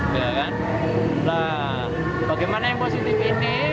bagaimana yang positif ini